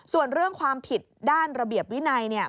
ส่วนเรื่องความผิดด้านระเบียบวินัยเนี่ย